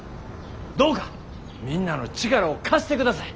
どうかみんなの力を貸してください。